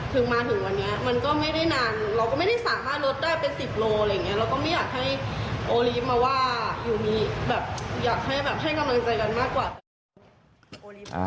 มาถึงวันนี้มันก็ไม่ได้นานเราก็ไม่ได้สามารถลดได้เป็น๑๐โลอะไรอย่างนี้เราก็ไม่อยากให้โอลีฟมาว่าอยู่มีแบบอยากให้แบบให้กำลังใจกันมากกว่า